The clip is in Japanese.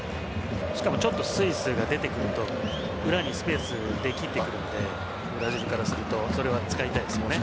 しかもちょっとスイスが出てくると裏にスペース、できてくるのでブラジルからするとここは使いたいですね。